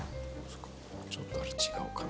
ちょっと違うかな？